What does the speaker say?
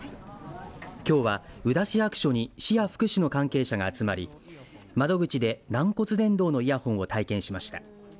きょうは宇陀市役所に福祉の関係者が集まり窓口で軟骨伝導のイヤホンを体験しました。